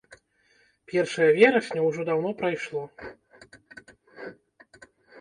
Першае верасня ўжо даўно прайшло.